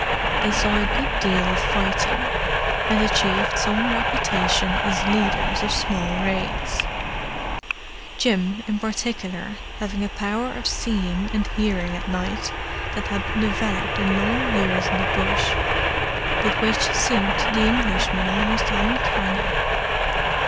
They saw a good deal of fighting, and achieved some reputation as leaders of small raids: Jim, in particular, having a power of seeing and hearing at night that had been developed in long years in the Bush—but which seemed to the Englishmen almost uncanny.